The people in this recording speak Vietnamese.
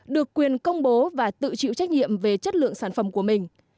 được quyền công bố và tự chịu trách nhiệm về chất lượng sản phẩm của mình